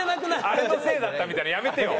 あれのせいだったみたいなのやめてよ。